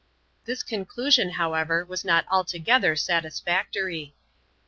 This conclusion, however, was not al together satis&ctory.